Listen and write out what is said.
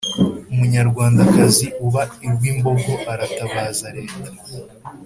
Umunyarwandakazi uba i Rwimbogo aratabaza leta